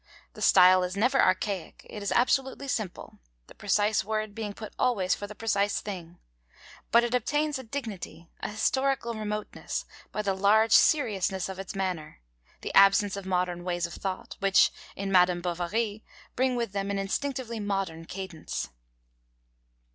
The style is never archaic, it is absolutely simple, the precise word being put always for the precise thing; but it obtains a dignity, a historical remoteness, by the large seriousness of its manner, the absence of modern ways of thought, which, in Madame Bovary, bring with them an instinctively modern cadence.